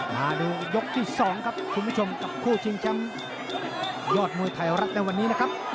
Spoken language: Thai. มาดูยกที่๒ครับคุณผู้ชมกับคู่ชิงแชมป์ยอดมวยไทยรัฐในวันนี้นะครับ